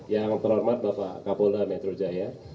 yang terhormat bapak kapolda metro jaya